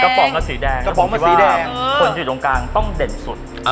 กระป๋องกับสีแดงผมคิดว่าคนอยู่ตรงกลางต้องเด่นสุด